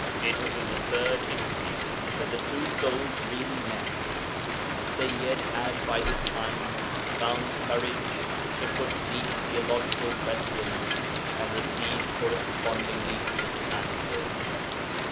It was in the third interview that the two souls really met. The Sayyid had by this time found courage to put deep theological questions, and received correspondingly deep answers.